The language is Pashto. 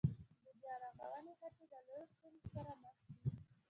د بيا رغونې هڅې له لویو ستونزو سره مخ دي